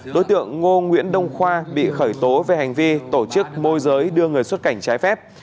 đối tượng ngô nguyễn đông khoa bị khởi tố về hành vi tổ chức môi giới đưa người xuất cảnh trái phép